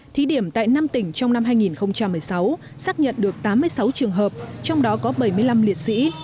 thí điểm tại năm tỉnh trong năm hai nghìn một mươi sáu xác nhận được tám mươi sáu trường hợp trong đó có bảy mươi năm liệt sĩ